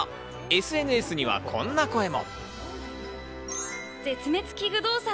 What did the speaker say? ＳＮＳにはこんな声も。